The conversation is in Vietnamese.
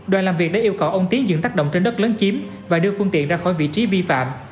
đoàn làm việc đã yêu cầu ông tiến dựng tác động trên đất lớn chiếm và đưa phương tiện ra khỏi vị trí vi phạm